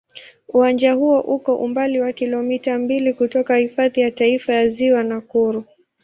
Uwanja huo uko umbali wa kilomita mbili kutoka Hifadhi ya Taifa ya Ziwa Nakuru.